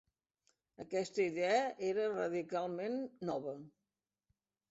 Aquesta idea era radicalment nova.